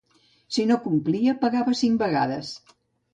Si no complia, pagava cinc vegades.